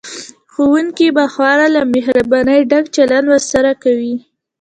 ښوونکي به خورا له مهربانۍ ډک چلند ورسره کوي